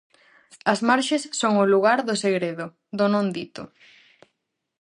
As marxes son o lugar do segredo, do non dito.